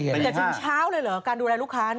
แต่ถึงเช้าเลยเหรอการดูแลลูกค้า